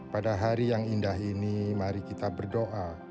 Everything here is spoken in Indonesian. pada hari yang indah ini mari kita berdoa